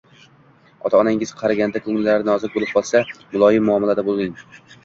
Ota-onangiz qariganda ko‘ngillari nozik bo‘lib qolsa, muloyim muomalada bo‘ling.